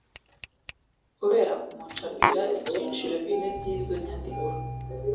kubera kumucapira ibyiciro bine by'izo nyandiko.